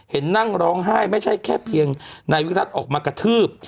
นั่งร้องไห้ไม่ใช่แค่เพียงนายวิรัติออกมากระทืบ